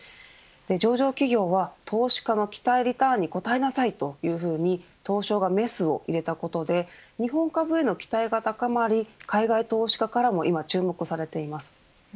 上場企業は、投資家の期待リターンに応えなさいと東証がメスを入れたことで日本株への期待が高まり海外投資家からも注目されています。